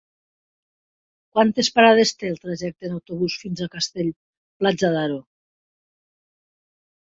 Quantes parades té el trajecte en autobús fins a Castell-Platja d'Aro?